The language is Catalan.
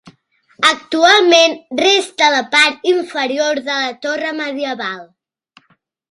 Actualment resta la part inferior de la torre medieval.